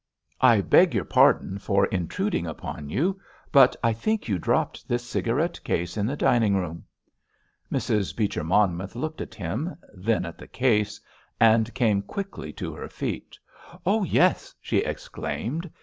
"I beg your pardon for intruding upon you, but I think you dropped this cigarette case in the dining room." Mrs. Beecher Monmouth looked at him, then at the case, and came quickly to her feet. "Oh, yes," she exclaimed.